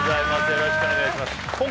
よろしくお願いしますへええー